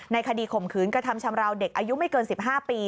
คดีข่มขืนกระทำชำราวเด็กอายุไม่เกิน๑๕ปี